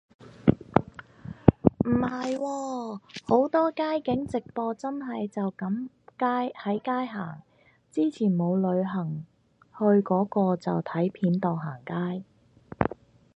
唔係喎，好多街景直播真係就噉喺街行，之前冇旅行去個個就睇片當行街